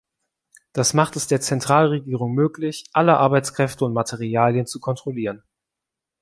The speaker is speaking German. Das macht es der Zentralregierung möglich, alle Arbeitskräfte und Materialien zu kontrollieren.